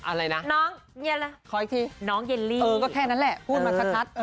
อะไรนะขออีกทีน้องเยลลี่เออก็แค่นั้นแหละพูดมาสัตว์นัด